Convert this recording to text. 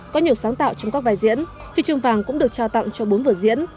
có nhiều sáng tạo trong các vai diễn huy chương vàng cũng được trao tặng cho bốn vở diễn